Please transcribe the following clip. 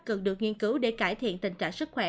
cần được nghiên cứu để cải thiện tình trạng sức khỏe